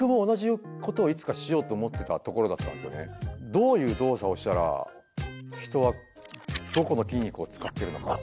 どういう動作をしたら人はどこの筋肉を使っているのか。